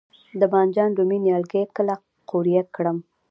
د بانجان رومي نیالګي کله قوریه کړم؟